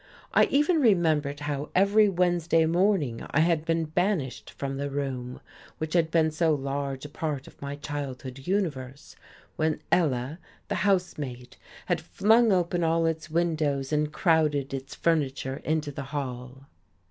I even remembered how every Wednesday morning I had been banished from the room, which had been so large a part of my childhood universe, when Ella, the housemaid, had flung open all its windows and crowded its furniture into the hall.